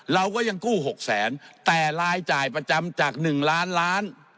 เราก็ยังกู้หกแสนแต่รายจ่ายประจำจาก๑ล้านล้าน